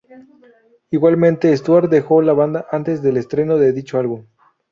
Igualmente, Stuart dejó la banda antes del estreno de dicho álbum.